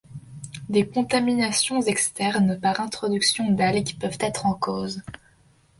Des contaminations externes par introduction d'algues peuvent être en cause.